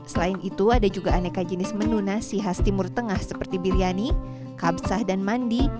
selain itu ada juga aneka jenis menu nasi khas timur tengah seperti biryani kabsah dan mandi